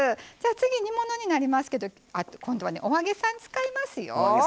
次、煮物になりますけど今度はお揚げさん使いますよ。